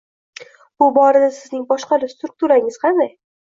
Bu borada sizning boshqaruv strukturangiz qanday?